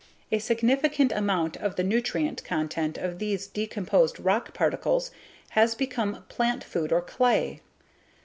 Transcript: A significant amount of the nutrient content of these decomposed rock particles has become plant food or clay.